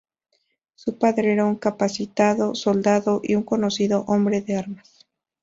Su padre era un capacitado soldado y un conocido "hombre de armas".